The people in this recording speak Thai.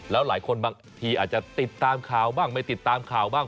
แล้วหลายคนบางทีอาจจะติดตามข่าวบ้างไม่ติดตามข่าวบ้าง